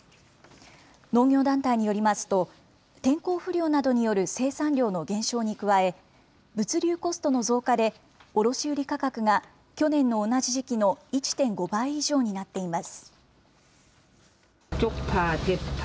農業団体によりますと、天候不良などによる生産量の減少に加え、物流コストの増加で、卸売価格が去年の同じ時期の１．５倍以上になっています。